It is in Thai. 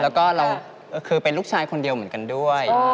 แล้วก็เราคือเป็นลูกชายคนเดียวเหมือนกันด้วย